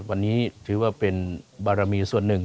วันนี้ถือว่าเป็นบารมีส่วนหนึ่ง